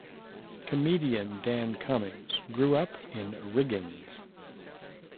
Comedian Dan Cummins grew up in Riggins.